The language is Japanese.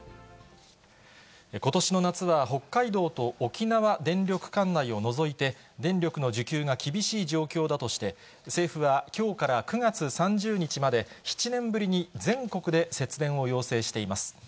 ことしの夏は北海道と沖縄電力管内を除いて、電力の需給が厳しい状況だとして、政府はきょうから９月３０日まで、７年ぶりに全国で節電を要請しています。